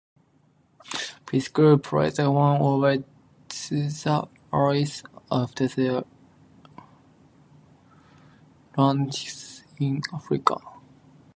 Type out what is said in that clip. This "groupe" later went over to the Allies after their landings in Africa.